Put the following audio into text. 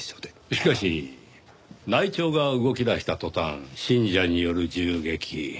しかし内調が動きだした途端信者による銃撃。